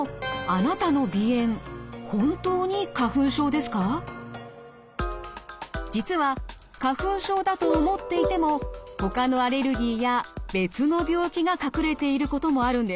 でも実は花粉症だと思っていてもほかのアレルギーや別の病気が隠れていることもあるんです。